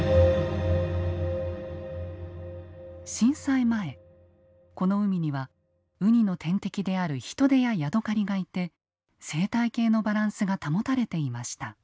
震災前この海にはウニの天敵であるヒトデやヤドカリがいて生態系のバランスが保たれていました。